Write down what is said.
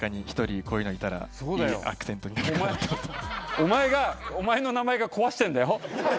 お前の名前が壊してんだよ。